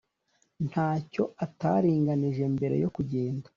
Ntacyo ataringanije mbere yokugenda